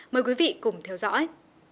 mời quý vị cùng theo dõi